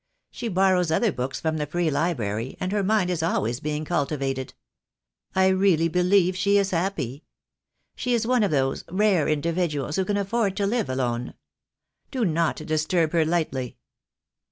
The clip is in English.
She borrows other books from the Free Library, and her mind is always being cultivated. I really believe she is happy. She is one of those rare individuals who can afford to live alone. Do not disturb her lightly."